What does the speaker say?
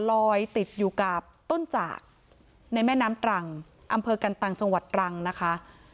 ลอยติดอยู่กับต้นจากในแม่น้ำตรังอำเภอกันตังจังหวัดตรังนะคะ